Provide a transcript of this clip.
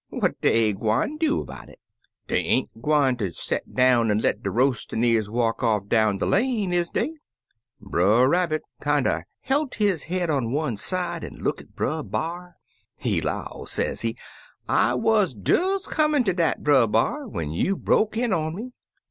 What dey gwine do 'bout it? Dey ain't gwineter des set down an' let der roas'nVcars walk off down de lane, is dey?' "Brer Rabbit kinder belt his head on one side, an' look at Brer B'ar. He 'low, sezee, *I wuz des comin' ter dat. Brer B'ar, when you broke in on me.